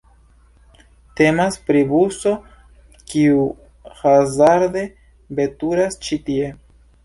Temas pri buso, kiu hazarde veturas ĉi tie.